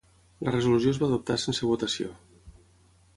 La resolució es va adoptar sense votació.